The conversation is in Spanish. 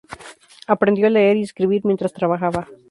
Aprendió a leer y escribir mientras trabajaba.